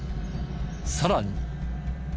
さらに。